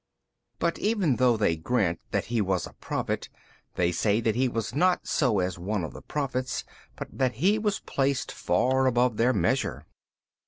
|284 B. But even though they grant that He was a Prophet, they say that He was not so as one of the Prophets, but that He was placed far above their measure 43.